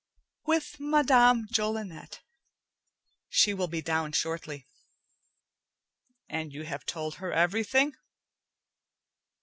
"With Madame Jolinet. She will be down shortly." "And you have told her everything?"